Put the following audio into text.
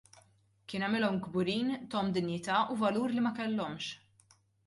Kien għamilhom kburin, tahom dinjità u valur li ma kellhomx.